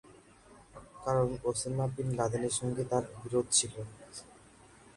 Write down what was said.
কারণ Osama bin লাদেনের সঙ্গে তার বিরোধ ছিলো।